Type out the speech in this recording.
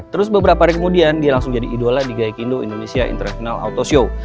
terus beberapa hari kemudian dia langsung jadi idola di gaikindo indonesia international auto show